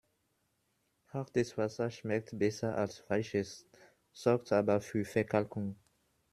Hartes Wasser schmeckt besser als weiches, sorgt aber für Verkalkung.